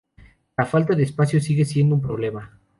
La falta de espacio sigue siendo un problema.